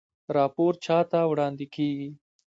راپور چا ته وړاندې کیږي؟